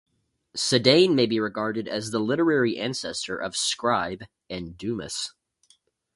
Sedaine may be regarded as the literary ancestor of Scribe and Dumas.